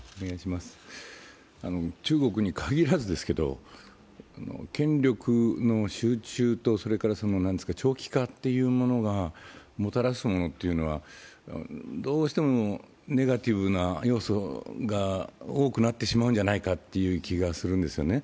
中国に限らずですけど権力の集中と、長期化というものがもたらすものというのはどうしてもネガティブな要素が多くなってしまうのではないかという気がするんですよね。